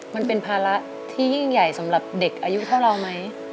มันเป็นภาระที่ยิ่งใหญ่สำหรับเด็กอายุเท่าเราไหม